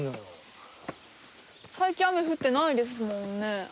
最近雨降ってないですもんね。